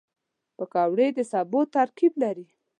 پکورې د سبو ترکیب لري